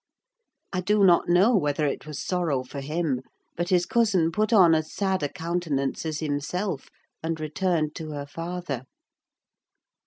I do not know whether it was sorrow for him, but his cousin put on as sad a countenance as himself, and returned to her father.